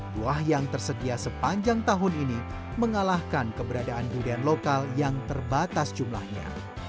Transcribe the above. buah yang tersedia sepanjang tahun ini mengalahkan keberadaan durian lokal yang terbatas jumlahnya